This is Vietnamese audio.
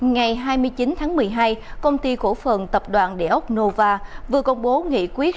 ngày hai mươi chín một mươi hai công ty cổ phần tập đoàn deoxnova vừa công bố nghị quyết